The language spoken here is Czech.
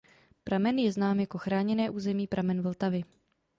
Pramen je znám jako chráněné území Pramen Vltavy.